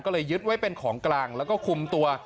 ก็เลยยึดไว้เป็นของกลางแล้วก็คุมตัว